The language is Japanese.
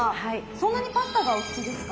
そんなにパスタがお好きですか？